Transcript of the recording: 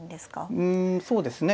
うんそうですね